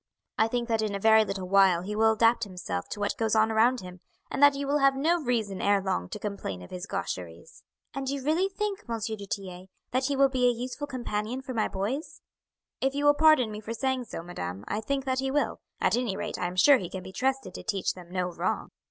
I think that in a very little while he will adapt himself to what goes on around him, and that you will have no reason ere long to complain of his gaucheries." "And you really think, M. du Tillet, that he will be a useful companion for my boys?" "If you will pardon me for saying so, madam, I think that he will at any rate I am sure he can be trusted to teach them no wrong."